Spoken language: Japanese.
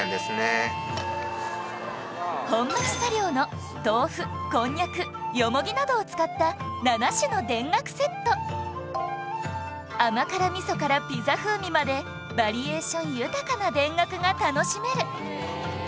本町茶寮の豆腐こんにゃくよもぎなどを使った７種の田楽セット甘辛みそからピザ風味までバリエーション豊かな田楽が楽しめる